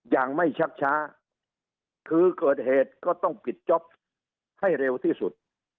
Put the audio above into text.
อย่างไม่ชักช้าคือเกิดเหตุก็ต้องปิดจ๊อปให้เร็วที่สุด